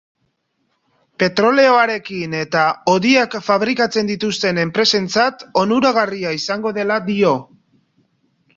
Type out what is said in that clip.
Petroleoarekin eta hodiak fabrikatzen dituzten enpresentzat onuragarria izango dela dio.